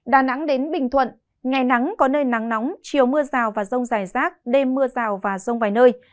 đà nẵng đến bình thuận ngày nắng có nơi nắng nóng chiều mưa rào và rông dài rác đêm mưa rào và rông vài nơi